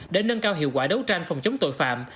để nâng cao hiệu quả đấu tranh phòng chống tội phạm